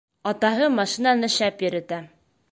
Атаһы машинаны шәп йөрөтә.